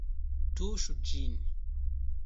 Tuŝu ĝin!